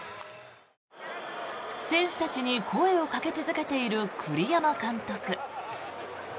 選手たちに声をかけ続けている栗山監督。